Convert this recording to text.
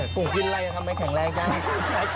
กงกินอะไรคะทำไมเป็นแข่งแรก